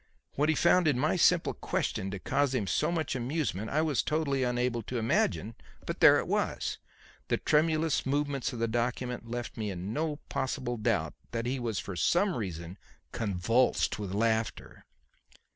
What he found in my simple question to cause him so much amusement I was totally unable to imagine. But there it was. The tremulous movements of the document left me in no possible doubt that he was for some reason convulsed with laughter.